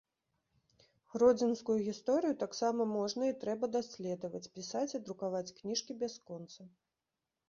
Гродзенскую гісторыю таксама можна і трэба даследаваць, пісаць і друкаваць кніжкі бясконца.